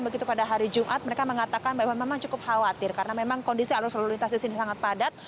begitu pada hari jumat mereka mengatakan bahwa memang cukup khawatir karena memang kondisi arus lalu lintas di sini sangat padat